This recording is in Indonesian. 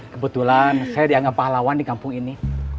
kebetulan saya dianggap pahlawan di kampung ini